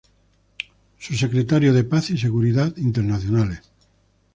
Subsecretario de Paz y Seguridad Internacionales.